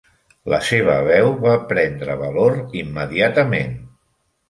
La seva veu va prendre valor immediatament.